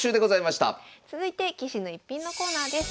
続いて「棋士の逸品」のコーナーです。